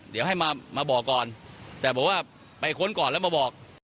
เดี๋ยวให้มาบอกก่อนแต่บอกว่าไปค้นก่อนแล้วมาบอก